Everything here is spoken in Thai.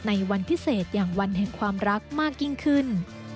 ในวันพิเศษอย่างวันแห่งความรักมากยิ่งขึ้น